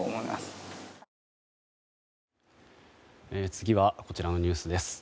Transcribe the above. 次はこちらのニュースです。